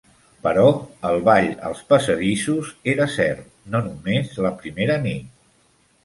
Però el ball als passadissos era cert, no només la primera nit.